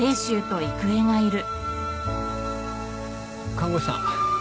看護師さん。